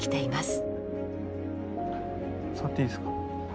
触っていいですか。